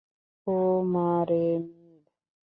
ও-মা-রে, Mir!